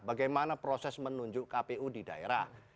bagaimana proses menunjuk kpu di daerah